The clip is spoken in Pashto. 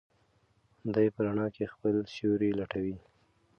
دی په رڼا کې خپل سیوری لټوي.